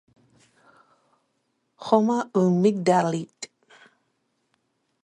"Homa u'migdal", lit.